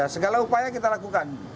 segala upaya kita lakukan